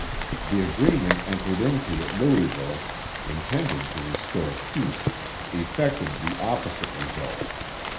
The agreement entered into at Louisville, intended to restore peace, effected the opposite result.